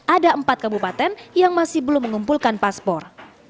ada empat kabupaten yang masih belum mengumpulkan paspor